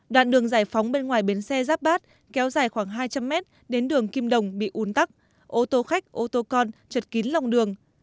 đoạn đường giải phóng bên ngoài bến xe giáp bát kéo dài khoảng hai trăm linh mét đến đường kim đồng bị un tắc ô tô khách ô tô con chật kín lòng đường